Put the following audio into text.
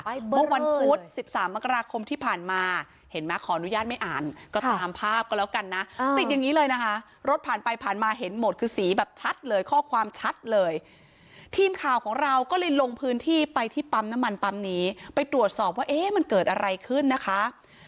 เมื่อวันพุธ๑๓มกราคมที่ผ่านมาเห็นไหมขออนุญาตไม่อ่านก็ตามภาพก็แล้วกันนะติดอย่างนี้เลยนะคะรถผ่านไปผ่านมาเห็นหมดคือสีแบบชัดเลยข้อความชัดเลยทีมข่าวของเราก็เลยลงพื้นที่ไปที่ปั๊มน้ำมันปั๊มนี้ไปตรวจสอบว่าเอ๊ะมันเกิดอะไรขึ้นนะคะ